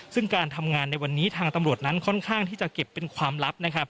ซึ่งการทำงานในวันนี้ทางตำรวจนั้นค่อนข้างที่จะเก็บเป็นความลับนะครับ